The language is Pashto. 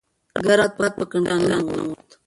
ګرم باد په کړکۍ راننووت.